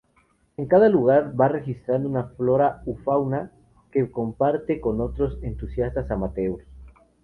En cada lugar va registrado flora u fauna, que comparte con otros entusiastas amateurs.